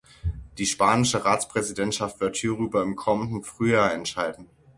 Die spanische Ratspräsidentschaft wird hierüber im kommenden Frühjahr entscheiden.